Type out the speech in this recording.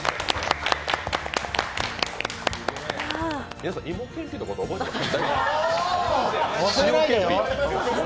皆さん、芋けんぴのこと覚えてます？